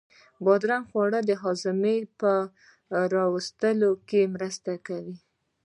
بادرنگ خوړل د هاضمې په را وستلو کې مرسته کوي.